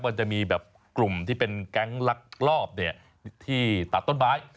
มันจะมีแบบกลุ่มที่เป็นแก๊งลักลอบที่ตัดต้นไม้